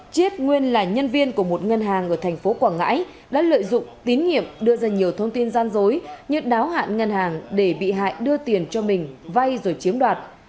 chiết nguyên là nhân viên của một ngân hàng ở thành phố quảng ngãi đã lợi dụng tín nhiệm đưa ra nhiều thông tin gian dối như đáo hạn ngân hàng để bị hại đưa tiền cho mình vay rồi chiếm đoạt